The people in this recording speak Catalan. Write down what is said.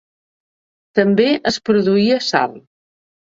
També es produïa sal.